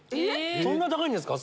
そんな高いんですか？